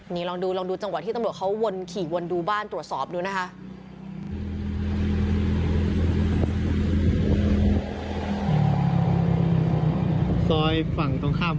นี่ลองดูลองดูจังหวะที่ตำรวจเขาวนขี่วนดูบ้านตรวจสอบดูนะคะ